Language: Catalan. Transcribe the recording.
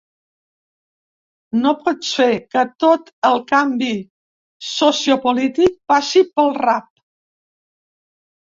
No pots fer que tot el canvi sociopolític passi pel rap.